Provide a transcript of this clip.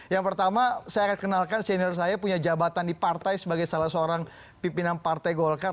yang pertama saya akan kenalkan senior saya punya jabatan di partai sebagai salah seorang pimpinan partai golkar